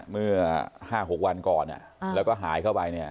เมื่อ๕๖วันก่อนแล้วก็หายเข้าไปเนี่ย